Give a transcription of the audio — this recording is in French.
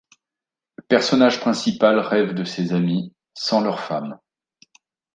Le personnage principal rêve de ses amis, sans leur femme.